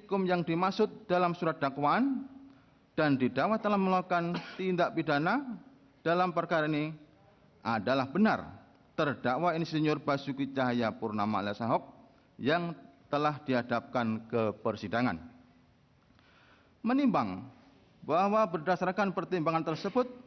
kepulauan seribu kepulauan seribu